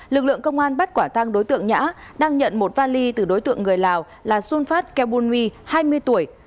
lực lượng công an bắt quả tăng đối tượng nhã đang nhận một vali từ đối tượng người lào là sunfat kebunwi hai mươi tuổi